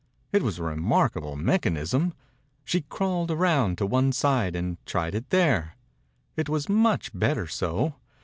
It was a remarkable mech anism. She crawled around to one side and tried it there. It was much better so.